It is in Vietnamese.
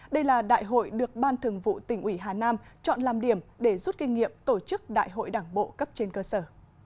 đây là đại hội được ban thường vụ tỉnh ủy hà nam chọn làm điểm để rút kinh nghiệm tổ chức đại hội đảng bộ cấp trên cơ sở